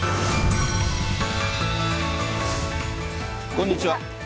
こんにちは。